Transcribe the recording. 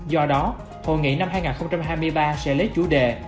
do đó hội nghị năm hai nghìn hai mươi ba sẽ lấy chủ đề